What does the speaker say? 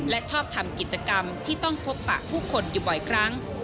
และชอบทำกิจกรรมที่ต้องพบปะผู้คนอยู่บ่อยครั้ง